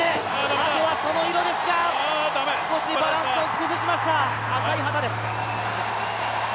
あとはその色ですが、少しバランスを崩しました、赤い旗です。